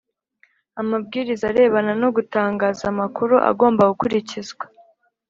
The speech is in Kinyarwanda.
Amabwiriza arebana no gutangaza amakuru agomba gukurikizwa